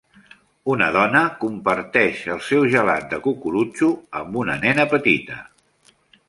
Una dona comparteix el seu gelat de cucurutxo amb una nena petita.